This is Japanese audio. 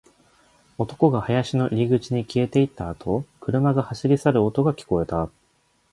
男が林の入り口に消えていったあと、車が走り去る音が聞こえた